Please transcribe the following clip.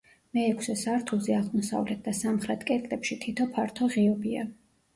მეექვსე სართულზე აღმოსავლეთ და სამხრეთ კედლებში თითო ფართო ღიობია.